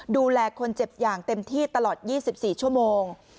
ดูแลคนเจ็บอย่างเต็มที่ตลอด๒๔ชั่วโมง